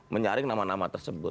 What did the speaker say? menyaring nama nama tersebut